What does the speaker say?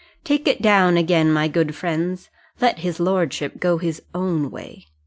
Take it down again, my good friends: let his lordship go his own way.